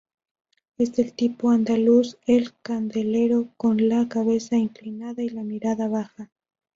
Es del tipo andaluz de candelero, con la cabeza inclinada y la mirada baja.